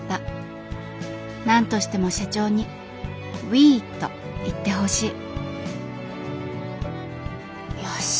何としても社長に「ウィ」と言ってほしいよし。